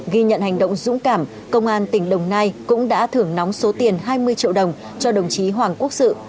ghi nhận hành động dũng cảm công an tỉnh đồng nai cũng đã thưởng nóng số tiền hai mươi triệu đồng cho đồng chí hoàng quốc sự